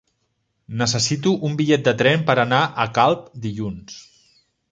Necessito un bitllet de tren per anar a Calp dilluns.